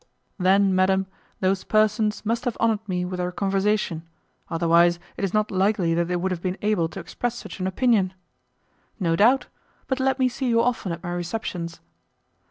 "Then, madam, those persons must have honoured me with their conversation; otherwise, it is not likely that they would have been able to express such an opinion." "No doubt; but let me see you often at my receptions."